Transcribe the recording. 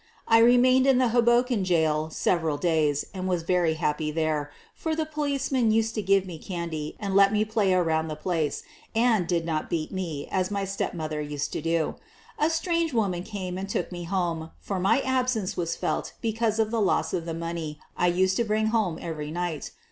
I remained in the Hoboken jail several days and was very happy there, for the policemen used to give me candy and let me play around the place, and did not beat me, as my step mother used to do. A strange woman came and took me home, for my absence was felt because of the loss of the money I used to bring home every night.